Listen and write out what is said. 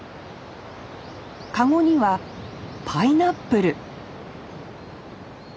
カゴにはパイナップル！